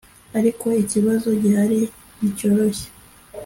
ariko ikibazo gihari nticyoroshye